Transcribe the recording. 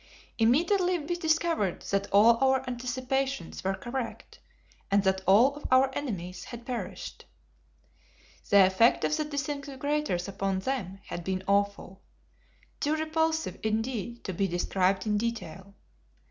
Immediately we discovered that all our anticipations were correct and that all of our enemies had perished. The effect of the disintegrators upon them had been awful too repulsive, indeed, to be described in detail.